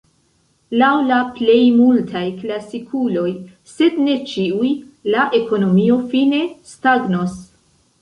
Laŭ la plej multaj klasikuloj, sed ne ĉiuj, la ekonomio fine stagnos.